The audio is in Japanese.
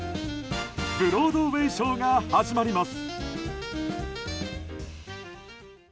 ブロードウェーショーが始まります。